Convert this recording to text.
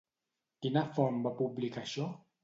Quina font va publicar això?